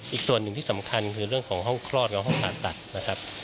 อีกส่วนหนึ่งที่สำคัญคือเรื่องของห้องคลอดกับห้องผ่าตัดนะครับ